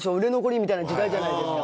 みたいな時代じゃないですか。